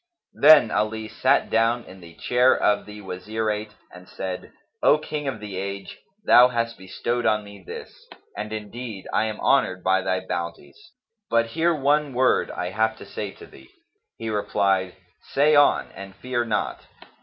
Then Ali sat down in the chair of the Wazirate and said, "O King of the age, thou hast bestowed on me this; and indeed I am honoured by thy bounties; but hear one word I have to say to thee!" He replied, "Say on, and fear not."